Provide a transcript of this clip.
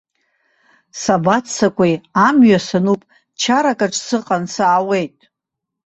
Сабаццакуеи, амҩа сануп, чаракаҿ сыҟан саауеит.